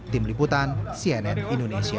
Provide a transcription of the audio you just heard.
tim liputan cnn indonesia